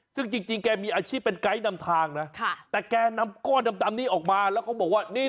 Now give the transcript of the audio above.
ซึ่งจริงแกมีอาชีพเป็นไกด์นำทางนะแต่แกนำก้อนดำนี้ออกมาแล้วเขาบอกว่า